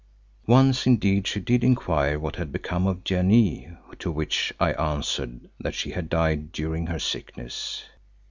Once indeed she did inquire what had become of Janee to which I answered that she had died during her sickness.